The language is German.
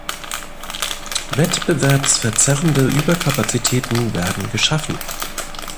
Wettbewerbsverzerrende Überkapazitäten werden geschaffen.